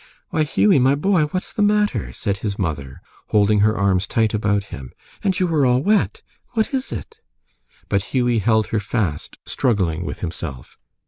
"Why, Hughie, my boy, what's the matter?" said his mother, holding her arms tight about him. "And you are all wet! What is it?" But Hughie held her fast, struggling with himself.